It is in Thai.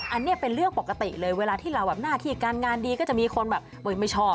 อันนี้เป็นเรื่องปกติเลยเวลาที่เราแบบหน้าที่การงานดีก็จะมีคนแบบไม่ชอบ